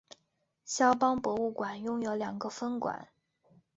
萧邦博物馆拥有两个分馆。